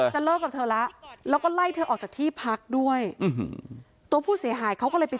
จะเลิกกับเธอแล้วแล้วก็ไล่เธอออกจากที่พักด้วยตัวผู้เสียหายเขาก็เลยไป